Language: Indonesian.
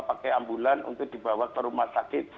pakai ambulan untuk dibawa ke rumah sakit